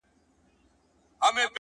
• احتیاط ښه دی په حساب د هوښیارانو ,